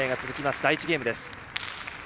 第１ゲームです。